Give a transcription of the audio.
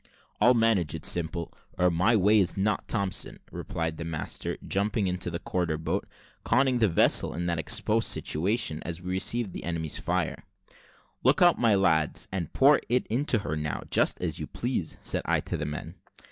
"I'll manage it, Simple, or my name is not Thompson," replied the master, jumping into the quarter boat, conning the vessel in that exposed situation, as we received the enemy's fire. "Look out, my lads, and pour it into her now, just as you please," said I to the men.